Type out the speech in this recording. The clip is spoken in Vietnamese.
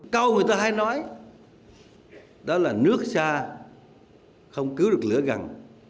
câu người ta hay nói đó là nước xa không cứu được lửa gần